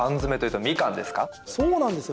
そうなんですよ。